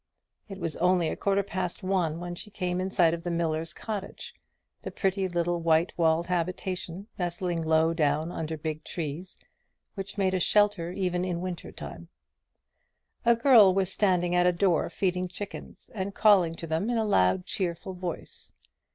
It was only a quarter past one when she came in sight of the miller's cottage the pretty little white walled habitation nestling low down under big trees, which made a shelter even in winter time. A girl was standing at a door feeding chickens and calling to them in a loud cheerful voice.